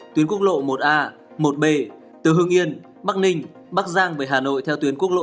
tuyến quốc lộ một a một b từ hương yên bắc ninh bắc giang về hà nội theo tuyến quốc lộ một